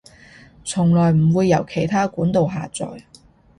從來唔會由其它管道下載